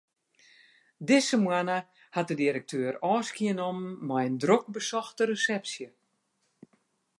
Dizze moanne hat de direkteur ôfskie nommen mei in drok besochte resepsje.